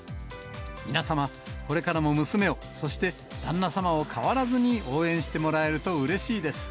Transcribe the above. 皆様、これからも娘を、そして旦那様を変わらずに応援してもらえるとうれしいです。